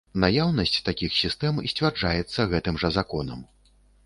Наяўнасць такіх сістэм сцвярджаецца гэтым жа законам.